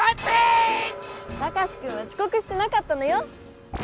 タカシくんはちこくしてなかったのよ！